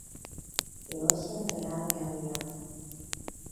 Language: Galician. E hoxe reabre a vía.